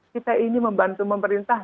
kita ini membantu pemerintah